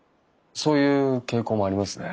そういう傾向もありますね。